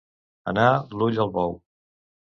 Anar l'ull al bou.